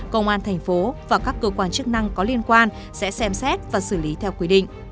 công an thành phố và các cơ quan chức năng có liên quan sẽ xem xét và xử lý theo quy định